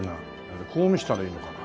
こう見せたらいいのかな？